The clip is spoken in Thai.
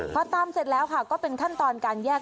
พอตำเสร็จแล้วค่ะก็เป็นขั้นตอนการแยก